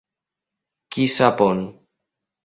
Qui sap on.